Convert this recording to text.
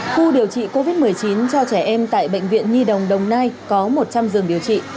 khu điều trị covid một mươi chín cho trẻ em tại bệnh viện nhi đồng đồng nai có một trăm linh giường điều trị